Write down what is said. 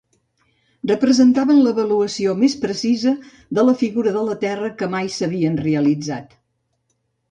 Representaven l'avaluació més precisa de la figura de la terra que mai s'havien realitzat.